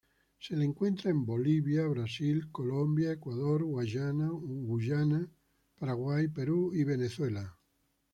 Se le encuentra en Bolivia, Brasil, Colombia, Ecuador, Guayana, Guyana, Paraguay, Perú, y Venezuela.